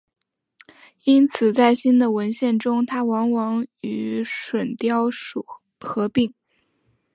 因此在新的文献中它往往与隼雕属合并。